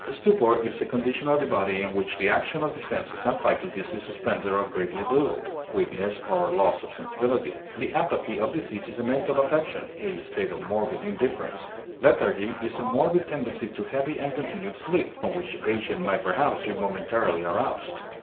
Stupor is a condition of the body in which the action of the senses and faculties is suspended or greatly dulled weakness or loss of sensibility. The apathy of disease is a mental affection, a state of morbid indifference; lethargy is a morbid tendency to heavy and continued sleep, from which the patient may perhaps be momentarily aroused.